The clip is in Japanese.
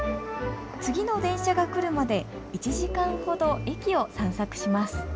次の電車が来るまで１時間ほど駅を散策します